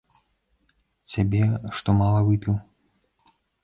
Цябе, што мала выпіў.